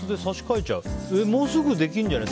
もうすぐできんじゃない？